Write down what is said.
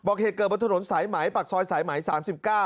บอกเฮเกอร์บนถนนสายไหมปักซอยสายไหม๓๙